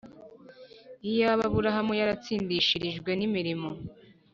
Iyaba Aburahamu yaratsindishirijwe n'imirimo,